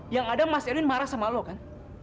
yang ada mas erwin marah sama lo kan